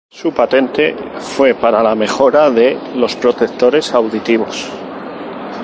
Su patente fue para la mejora de los protectores auditivos.